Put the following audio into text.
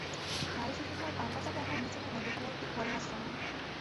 নারী-শিশুসহ প্রাণ বাঁচাতে আমরা নিচে নেমে দোতলার একটি ঘরে আশ্রয় নিই।